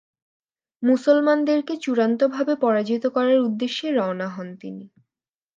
মুসলমানদেরকে চুড়ান্তভাবে পরাজিত করার উদ্দেশ্যে রওনা হন তিনি।